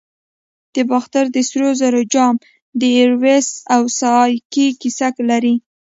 د باختر د سرو زرو جام د ایروس او سایکي کیسه لري